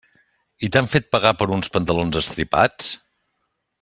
I t'han fet pagar per uns pantalons estripats?